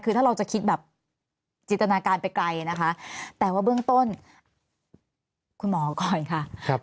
คือถ้าเราจะคิดแบบจิตนาการไปไกลนะคะแต่ว่าเบื้องต้นคุณหมอก่อนค่ะ